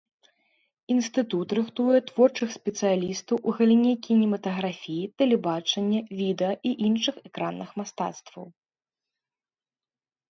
Інстытут рыхтуе творчых спецыялістаў у галіне кінематаграфіі, тэлебачання, відэа і іншых экранных мастацтваў.